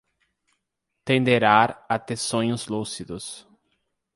Tenderá a ter sonhos lúcidos